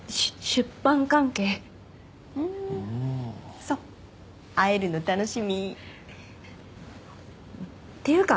出版関係ふーんそう会えるの楽しみっていうか